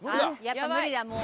やっぱ無理だもう。